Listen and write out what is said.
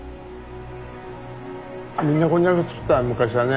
みんなこんにゃく作った昔はね。